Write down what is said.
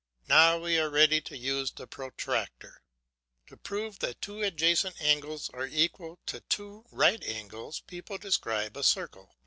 Now we are ready to use the protractor. To prove that two adjacent angles are equal to two right angles people describe a circle.